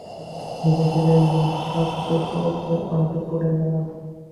ধীরে ধীরে নিঃশব্দপদে অন্তঃপুরে গেলাম।